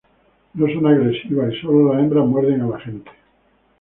No son agresivas y solo las hembras muerden a la gente.